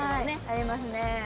ありますね。